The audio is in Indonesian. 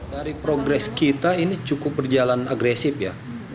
dari progres kita ini cukup berjalan agresif ya